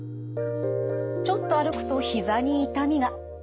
ちょっと歩くとひざに痛みが。